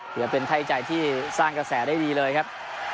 ถือว่าเป็นไทยใจที่สร้างกระแสได้ดีเลยครับ